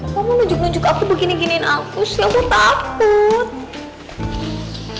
kamu nunjuk nunjuk aku begini giniin aku siapa takut